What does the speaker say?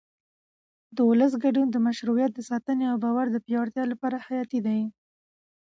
د ولس ګډون د مشروعیت د ساتنې او باور د پیاوړتیا لپاره حیاتي دی